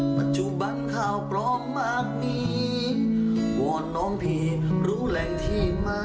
ปัจจุบันข่าวปลอมมากมีวอนน้องพี่รู้แหล่งที่มา